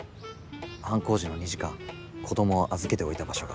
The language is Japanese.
犯行時の２時間子供を預けておいた場所が。